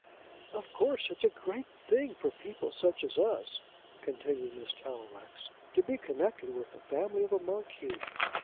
"Of course, it's a great thing for people such as us," continued Miss Tallowax, "to be connected with the family of a Marquis."